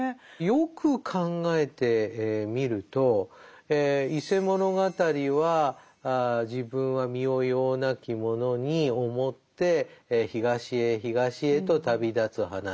よく考えてみると「伊勢物語」は自分は身をようなき者に思って東へ東へと旅立つ話。